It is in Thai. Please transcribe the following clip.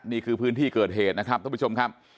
นี่คือพื้นที่เกิดเหตุนะครับท่านผู้ชมครับ